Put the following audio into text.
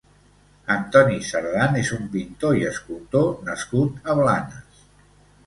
Antoni Cerdan és un pintor i escultor nascut a Blanes.